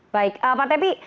baik pak tevi